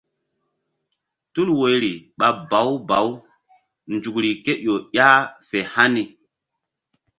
Tul woyri ɓa bawu bawu nzukri ké ƴo ƴah fe hani.